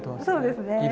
そうですね。